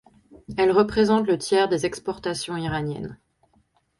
Elle représente le tiers des exportations iraniennes.